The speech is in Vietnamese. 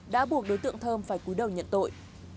đã buộc đối tượng thơm phải cúi đầu nhận tội